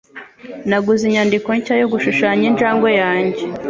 Naguze inyandiko nshya yo gushushanya injangwe yanjye.